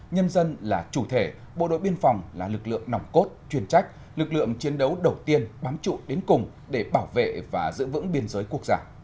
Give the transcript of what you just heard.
nhân dân là chủ thể bộ đội biên phòng là lực lượng nòng cốt chuyên trách lực lượng chiến đấu đầu tiên bám trụ đến cùng để bảo vệ và giữ vững biên giới quốc gia